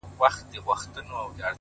دا داسي سوى وي;